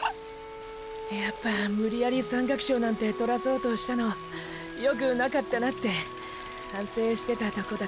やっぱ無理矢理山岳賞なんてとらそうとしたのよくなかったなって反省してたとこだったんだ。